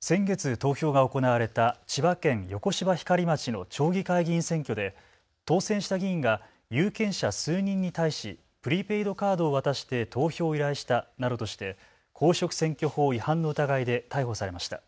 先月投票が行われた千葉県横芝光町の町議会議員選挙で当選した議員が有権者数人に対しプリペイドカードを渡して投票を依頼したなどとして公職選挙法違反の疑いで逮捕されました。